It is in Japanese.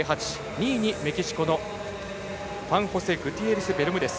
２位にメキシコのフアンホセ・グティエレスベルムデス。